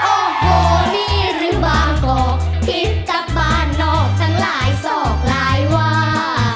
โอโฮนี่รูบาตกพิษกับปากนอกตั้งหลายศอกหลายวา